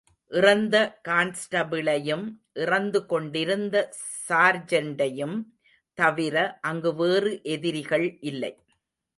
இறந்த கான்ஸ்டபிளையும் இறந்து கொண்டிருந்த சார்ஜென்டையும் தவிர அங்கு வேறு எதிரிகள் இல்லை.